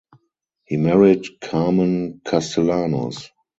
He married Carmen Castellanos.